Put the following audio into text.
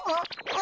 あ！